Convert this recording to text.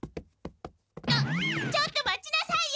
ちょっと待ちなさいよ